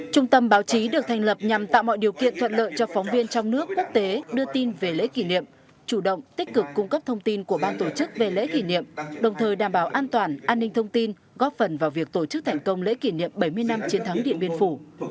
trung tâm báo chí được thành lập nhằm tạo mọi điều kiện thuận lợi cho phóng viên trong nước quốc tế đưa tin về lễ kỷ niệm chủ động tích cực cung cấp thông tin của ban tổ chức về lễ kỷ niệm đồng thời đảm bảo an toàn an ninh thông tin góp phần vào việc tổ chức thành công lễ kỷ niệm bảy mươi năm chiến thắng điện biên phủ